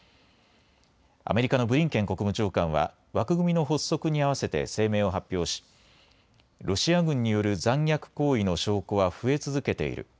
アメリカのブリンケン国務長官は枠組みの発足にあわせて声明を発表しロシア軍による残虐行為の証拠は増え続けている。